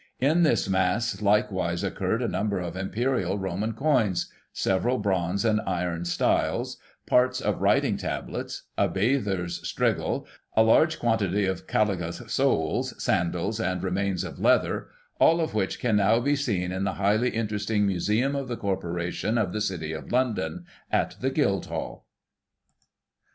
In this mass likewise occurred a number of Imperial Roman coins, several bronze and iron styles, parts of writing tablets, a bather's strigil, a large quantity of caliga soles, sandals and remains of leather, all of which can now be seen in the highly interesting Museum of the Corporation of the City of London, at the Guildhall.